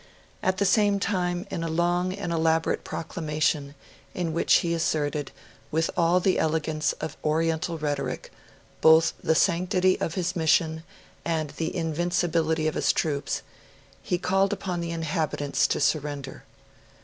At the same time, in a long and elaborate proclamation, in which he asserted, with all the elegance of oriental rhetoric, both the sanctity of his mission and the invincibility of his troops, he called upon the inhabitants to surrender.